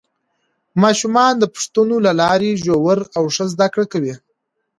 ماشومان د پوښتنو له لارې ژوره او ښه زده کړه کوي